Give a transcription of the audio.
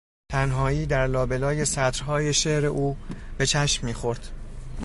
تنهایی در لابلای سطرهای شعر او به چشم میخورد.